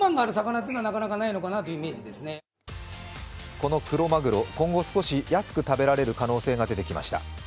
このクロマグロ、今後少し安く食べられる可能性が出てきました。